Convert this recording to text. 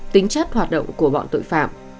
tính chất hoạt động của bọn chúng ta